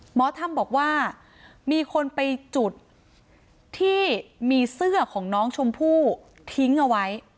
หมอธรรมบอกว่ามีคนไปจุดที่มีเสื้อของน้องชมพู่ทิ้งเอาไว้